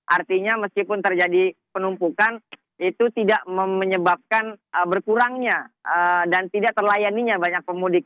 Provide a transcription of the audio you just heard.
artinya meskipun terjadi penumpukan itu tidak menyebabkan berkurangnya dan tidak terlayaninya banyak pemudik